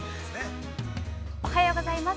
◆おはようございます。